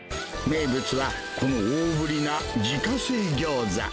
名物は、この大ぶりな自家製ギョーザ。